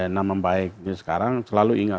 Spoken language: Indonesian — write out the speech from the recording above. nama baiknya sekarang selalu ingat